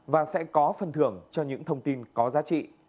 và sẽ có phần thưởng cho những thông tin có giá trị